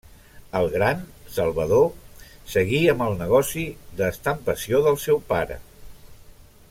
El gran, Salvador, seguí amb el negoci d'estampació del seu pare.